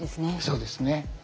そうですね。